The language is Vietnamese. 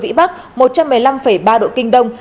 vị bắc một trăm một mươi năm ba độ kinh đông